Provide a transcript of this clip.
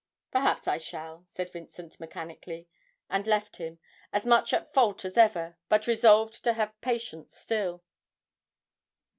'Perhaps I shall,' said Vincent, mechanically, and left him, as much at fault as ever, but resolved to have patience still.